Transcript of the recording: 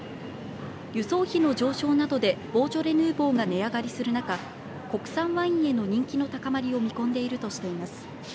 輸送費の上昇などでボージョレ・ヌーボーが値上がりする中国産ワインへの人気の高まりを見込んでいるとしています。